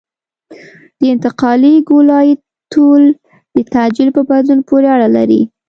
د انتقالي ګولایي طول د تعجیل په بدلون پورې اړه لري